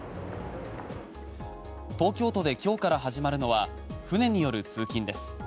東京都で今日から始まるのは船による通勤です。